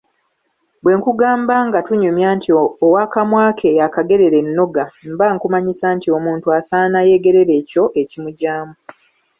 Bwe nkugamba nga tunyumya nti ‘Ow’akamwa ke y’akagerera ennoga’ mba nkumanyisa nti Omuntu asana yeegerere ekyo ekimugyamu.